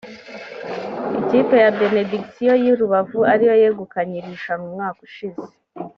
ikipe ya Benediction y’i Rubavu ariyo yegukanye iri rushanwa umwaka ushize